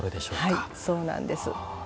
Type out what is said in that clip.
はいそうなんです。